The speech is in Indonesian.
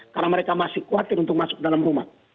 karena mereka masih khawatir untuk masuk ke dalam rumah